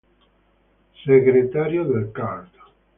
Segretario del card.